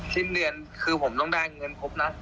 สิ้นเดือนคือผมต้องได้เงินครบนะ